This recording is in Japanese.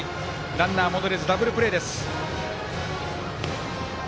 ランナー戻れずダブルプレー。